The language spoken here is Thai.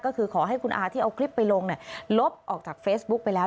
ก็คือขอให้คุณอาที่เอาคลิปไปลงลบออกจากเฟซบุ๊กไปแล้ว